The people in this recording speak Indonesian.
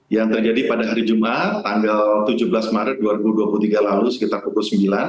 yang terjadi pada hari jumat tanggal tujuh belas maret dua ribu dua puluh tiga lalu sekitar pukul sembilan